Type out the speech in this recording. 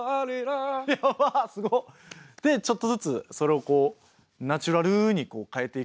でちょっとずつそれをこうナチュラルに変えていくと。